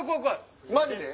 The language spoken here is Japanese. マジで？